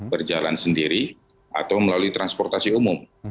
berjalan sendiri atau melalui transportasi umum